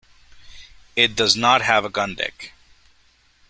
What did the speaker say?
It does not have a gun deck.